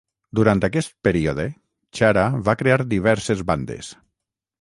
Durant aquest període, Chara va crear diverses bandes.